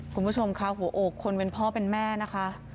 คุณผู้ชมค่ะหัวอกคนเป็นพ่อเป็นแม่นะคะ